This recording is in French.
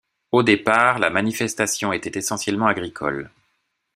Au départ, la manifestation était essentiellement agricole.